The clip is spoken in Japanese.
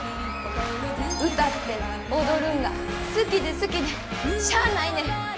歌って踊るんが好きで好きでしゃあないねん。